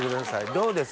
どうです？